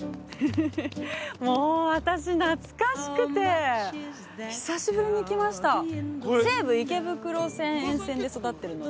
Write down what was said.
もう私、懐かしくて久しぶりに来ました。